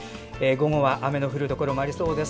午後は雨の降るところもありそうです。